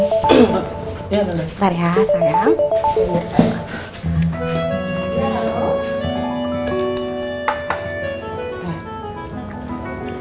bentar ya sayang